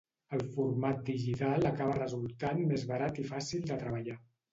El format digital acaba resultant més barat i fàcil de treballar.